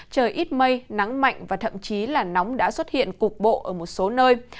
trời ít mây nắng mạnh và thậm chí là nóng đã xuất hiện cục bộ ở một số nơi